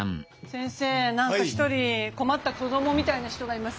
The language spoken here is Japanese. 先生何か一人困った子どもみたいな人がいます。